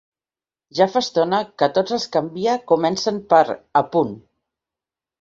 Ja fa estona que tots els que envia comencen per “a punt”.